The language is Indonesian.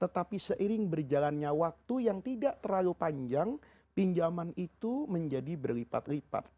tetapi seiring berjalannya waktu yang tidak terlalu panjang pinjaman itu menjadi berlipat lipat